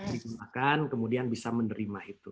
digunakan kemudian bisa menerima itu